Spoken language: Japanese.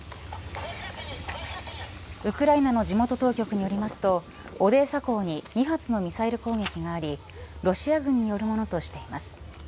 ウクライナの地元当局によりますとオデーサ港に２発のミサイル攻撃がありロシア軍によるものとしています。